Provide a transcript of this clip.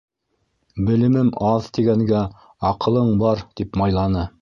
«Белемем аҙ» тигәнгә, «аҡылың бар» тип майланы.